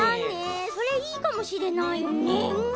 それいいかもしれないね。